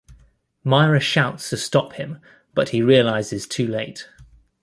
Myra shouts to stop him but he realizes too late.